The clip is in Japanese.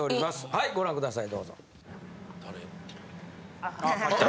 はいご覧ください